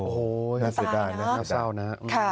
โอ้โหน่าเศร้านะ